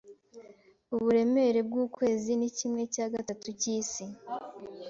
Uburemere bw'ukwezi ni kimwe cya gatandatu cy'isi.